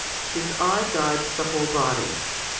His eye guides the whole body.